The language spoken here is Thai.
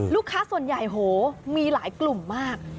ลูกค้าส่วนใหญ่โหมีหลายกลุ่มมาก